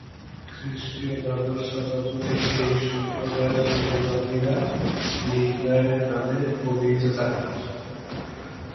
খ্রিস্টীয় দ্বাদশ শতাব্দী থেকে এই সম্প্রদায়ের অনুগামীরা ‘লিঙ্গায়েত’ নামে অভিহিত হতে থাকে।